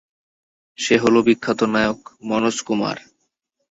সে হলো বিখ্যাত নায়ক মনোজ কুমার।